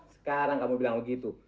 sekarang kamu bilang begitu